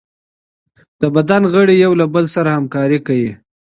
د بدن غړي یو له بل سره همکاري کوي.